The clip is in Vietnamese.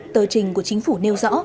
tờ trình của chính phủ nêu ra